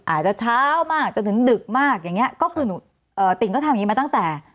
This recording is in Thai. อาจจะเช้ามากจนถึงดึกมากอย่างเงี้ยก็คือหนูเอ่อติ่งก็ทำอย่างนี้มาตั้งแต่